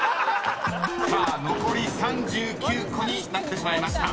［さあ残り３９個になってしまいました］